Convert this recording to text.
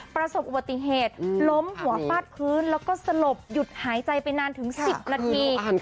ประสบอุบัติเหตุล้มหัวฟาดพื้นแล้วก็สลบหยุดหายใจไปนานถึง๑๐นาที